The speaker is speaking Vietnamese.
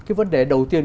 cái vấn đề đầu tiên